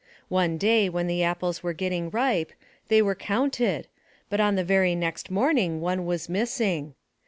One day when the apples were getting ripe, they were counted, but on the very next morning one was missing.